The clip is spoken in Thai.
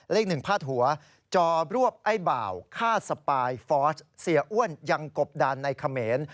เลข๑ภาษาหัวจอบรวบไอ้บ่าวฆ่าสปายฟอสเสียอ้วนยังกบดันในเขมน